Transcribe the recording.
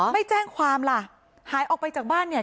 ไม่แจ้งความล่ะหายออกไปจากบ้านเนี่ย